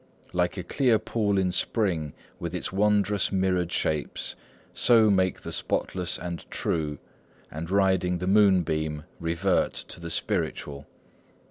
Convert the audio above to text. Like a clear pool in spring, With its wondrous mirrored shapes, So make for the spotless and true, And riding the moonbeam revert to the Spiritual."